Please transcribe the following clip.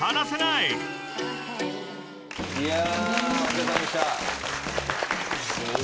いや。